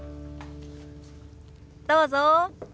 どうぞ。